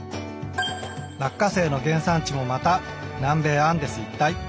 ラッカセイの原産地もまた南米アンデス一帯。